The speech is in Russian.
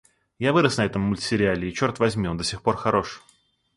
Я вырос на этом мультсериале и, чёрт возьми, он до сих пор хорош!